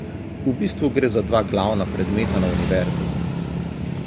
V bistvu gre za dva glavna predmeta na univerzi.